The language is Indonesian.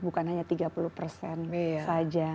bukan hanya tiga puluh persen saja